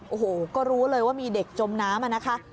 โอ้โหก็รู้เลยว่ามีเด็กจมน้ำอะนะคะ